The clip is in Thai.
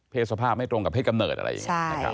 เพศสภาพไม่ตรงกับเพศกำเนิดอะไรอย่างนี้